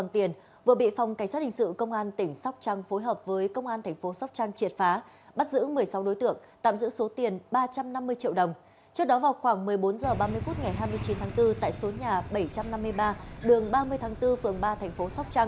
trước đó vào khoảng một mươi bốn h ba mươi phút ngày hai mươi chín tháng bốn tại số nhà bảy trăm năm mươi ba đường ba mươi tháng bốn phường ba thành phố sóc trăng